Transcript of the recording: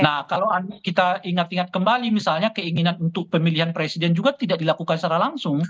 nah kalau kita ingat ingat kembali misalnya keinginan untuk pemilihan presiden juga tidak dilakukan secara langsung